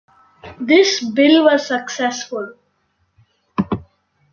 This bill was successful.